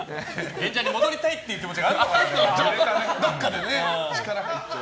演者に戻りたいっていう気持ちがあるのかな。